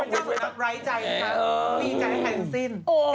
ร้ายใจกันมีใจให้แข่งสิ้น